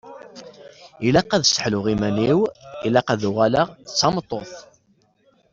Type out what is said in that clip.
Ilaq ad sseḥluɣ iman-iw, ilaq ad uɣaleɣ d tameṭṭut.